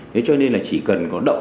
thế cho nên là chỉ cần có động